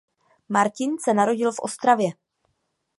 Martin se narodil v Ostravě.